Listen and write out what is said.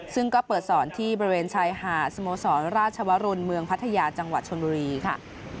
ซึ่งก็เปิดสอนที่บริเวณชายหาดสโมสรราชวรุนเมืองพัทยาจังหวัดชนบุรีค่ะ